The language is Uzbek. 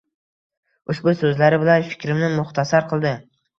Uhbu so‘zlari bilan fikrimni muxtasar qildi.